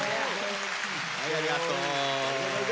はいありがとう。